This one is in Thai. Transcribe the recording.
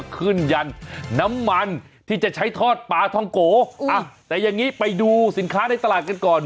ยันน้ำมันที่จะใช้ทอดปลาทองโกอ่ะแต่อย่างนี้ไปดูสินค้าในตลาดกันก่อน